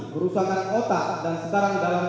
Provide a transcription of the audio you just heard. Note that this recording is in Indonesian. kerusakan otak dan sekarang dalam